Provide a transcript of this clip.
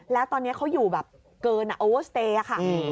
แล้วตอนนี้เขาอยู่แบบเกินโอเวอร์สเตย์ค่ะ